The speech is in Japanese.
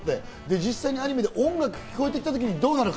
実際、アニメで音楽が聴こえてきたとき、どうなるか。